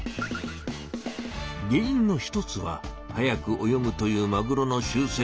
原いんの一つは速く泳ぐというマグロの習せい。